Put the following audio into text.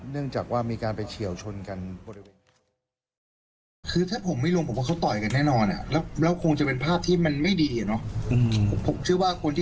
เนื่องจากว่ามีการไปเฉียวชนกันบริเวณ